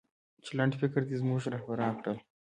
چې لنډفکره دې زموږه رهبران کړل